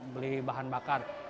beli bahan bakar